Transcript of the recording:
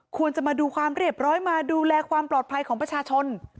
ควรจะมาดูความเรียบร้อยมาดูแลความปลอดภัยของประชาชน